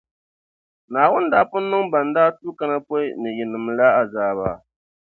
Naawuni daa pun niŋ ban daa tuui kana pɔi ni yinima la azaaba.